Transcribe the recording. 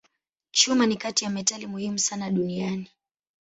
Chuma ni kati ya metali muhimu sana duniani.